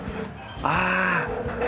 ああ！